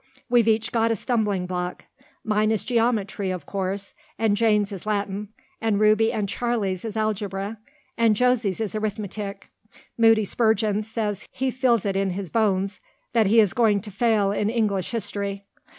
We've each got a stumbling block. Mine is geometry of course, and Jane's is Latin, and Ruby and Charlie's is algebra, and Josie's is arithmetic. Moody Spurgeon says he feels it in his bones that he is going to fail in English history.